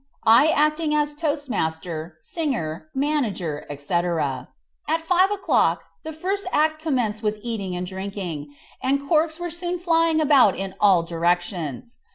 I acting as toast master, singer, manager, &c. At five o'clock the first act commenced with eating and drinking, and corks were soon flying about in all directions.